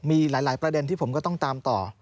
มีหลายประเด็นที่ผมก็ต้องตามต่อ